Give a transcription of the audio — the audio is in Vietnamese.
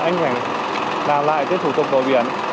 anh phải làm lại tiết thủ tục đổi biển